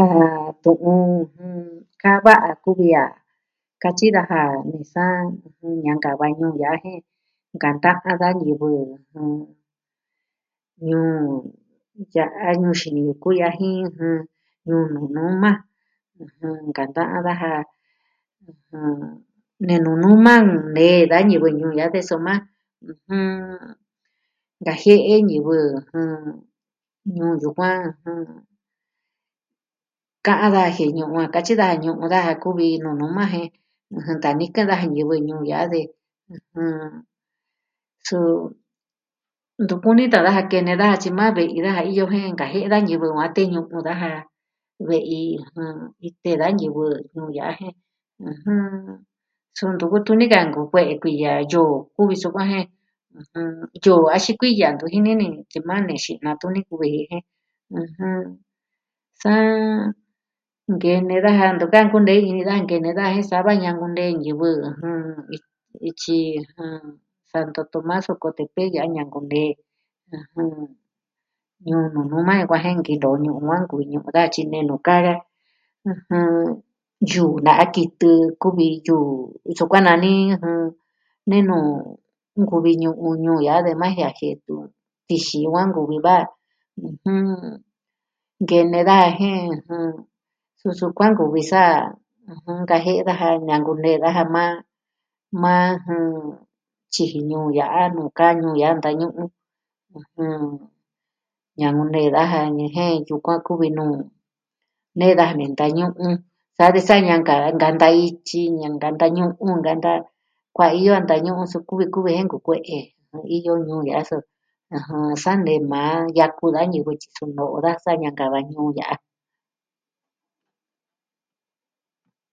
A tu'un jɨn.... kaa va'a kuvi a katyi daja nee a saa ñankava ñuu ya'a jen nkanta'an da ñivɨ. Ñuu ya'a ñuu xini yuku ya'a jin Ñuu Nunuma, nkanta'an daja. Ne Nunuma nee da ñivɨ ñuu ya'a de soma, nkajie'e ñivɨ ñuu yukuan Ka'an daja jie'e ñu'un a katyi daja a ñu'un daja kuvi Nunuma jen ntanikɨn daja ñivɨ ñuu ya'a de, suu, ntu kuni tan daja kene daja tyi maa ve'i daja iyo jen nkajie'e da ñivɨ yukuan teñu'u daja ve'i ite da ñivɨ ñuu ya'a jen, suu ntu kutu ni ka nku kue'e kuiya, yoo kuvi sukuan jen yoo, axin kuiya ntu jini ni tyi ma nexi'na tuni kuvi ji jen, sa... nkene daja ntuvi ka kunei ini daja nkene daja jen saa va ñankunee ñivɨ ityi... Santo Tomas Ocotepec ya'a ñankunee. Ñuu Nunuma nkuaan jen nkinoo ñu'un yukuan nkuñuu daja tyi nee nuu kaa Yuu na'a kitɨ kuvi yuu nsukuan nani, jɨn... Nenu o, nkuvi ñu'un ñuu ya'a de ma jie'en a tuún tixiin va nkuvi a nkene daja jen, suu sukuan nkuvi sa nkajie'e daja ñankunee daja maa tyiji ñuu ya'a nuu kaa ñuu ya'a ntañu'un. Ñankunee daja ni jen yukuan kuvi nuu. Nee daja nentañu'u sa de sa ñanka nkanta ityi nkanta ñu'un nkanta kuaiyo a ntañu'u suu kuvi kuvi jen nkukue'e. Iyo ñuu ya'a so, sa nee maa yaku da ñivɨ tyi suu no'o da sa ñankava'a ñuu ya'a.